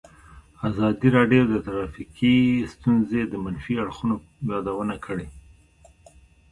ازادي راډیو د ټرافیکي ستونزې د منفي اړخونو یادونه کړې.